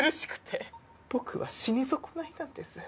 僕は死に損ないなんです。